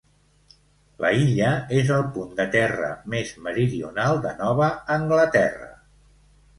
La illa és el punt de terra més meridional de Nova Anglaterra.